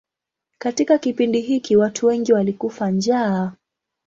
Katika kipindi hiki watu wengi walikufa njaa.